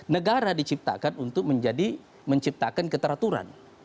negara diciptakan untuk menjadi menciptakan keteraturan